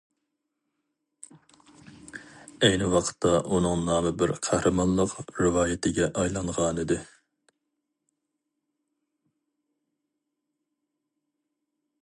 ئەينى ۋاقىتتا ئۇنىڭ نامى بىر قەھرىمانلىق رىۋايىتىگە ئايلانغانىدى.